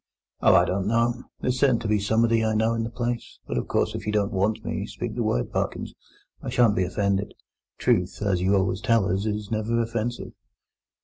"Oh, I don't know! There's certain to be somebody I know in the place; but, of course, if you don't want me, speak the word, Parkins; I shan't be offended. Truth, as you always tell us, is never offensive."